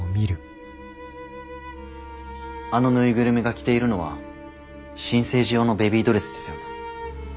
あの縫いぐるみが着ているのは新生児用のベビードレスですよね？